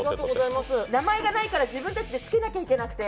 名前がないから自分たちでつけなきゃいけなくて。